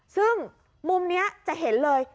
ซึ่งมุมนี้จะเห็นเลย